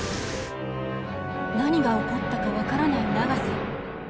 何が起こったか分からない永瀬。